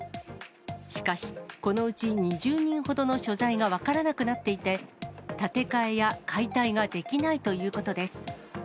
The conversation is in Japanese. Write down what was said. しかし、このうち２０人ほどの所在が分からなくなっていて、建て替えや解体ができないということです。